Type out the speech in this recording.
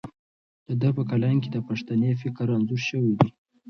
د ده په کلام کې پښتني فکر انځور شوی دی.